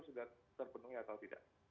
sudah terpenuhi atau tidak